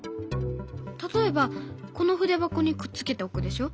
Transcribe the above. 例えばこの筆箱にくっつけておくでしょ。